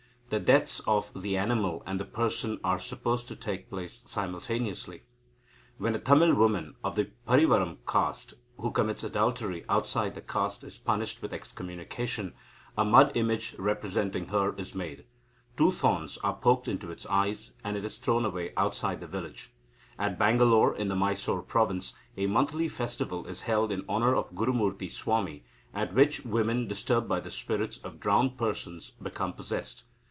The deaths of the animal and the person are supposed to take place simultaneously. When a Tamil woman of the Parivaram caste who commits adultery outside the caste is punished with excommunication, a mud image representing her is made, two thorns are poked into its eyes, and it is thrown away outside the village. At Bangalore in the Mysore province, a monthly festival is held in honour of Gurumurthi Swami, at which women disturbed by the spirits of drowned persons become possessed.